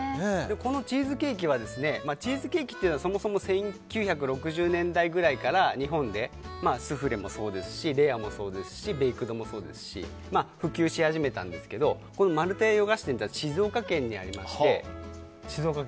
チーズケーキというのはそもそも１９６０年代くらいから日本でスフレもそうですしレアもそうですしベイクドもそうですし普及し始めたんですけどまるたや洋菓子店は静岡県にありまして。